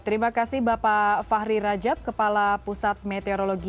terima kasih bapak fahri rajab kepala pusat meteorologi